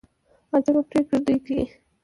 عجبه پرېکړي دوى کيي.